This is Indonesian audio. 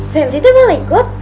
femt itu malah ikut